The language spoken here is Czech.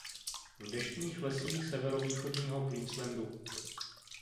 V deštných lesích severovýchodního Queenslandu.